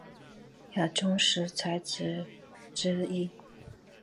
闽中十才子之一。